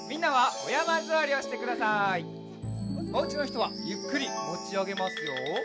おうちのひとはゆっくりもちあげますよ。